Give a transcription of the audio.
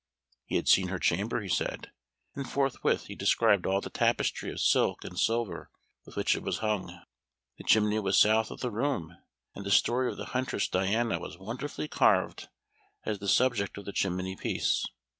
He had seen her chamber, he said, and forthwith he described all the tapestry of silk and silver with which it was hung. The chimney was south of the room, and the story of the huntress Diana was wonderfully carved as the subject of the chimney piece.